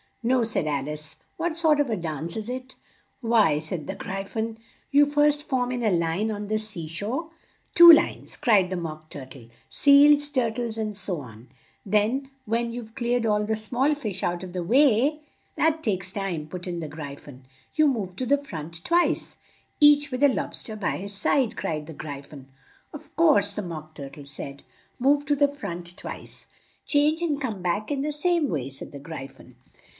"No," said Al ice. "What sort of a dance is it?" "Why," said the Gry phon, "you first form in a line on the sea shore " "Two lines!" cried the Mock Tur tle. "Seals, tur tles, and so on; then when you've cleared all the small fish out of the way " "That takes some time," put in the Gry phon. "You move to the front twice " "Each with a lob ster by his side!" cried the Gry phon. "Of course," the Mock Tur tle said: "move to the front twice " "Change and come back in same way," said the Gry phon.